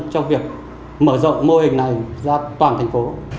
trong việc mở rộng mô hình này ra toàn thành phố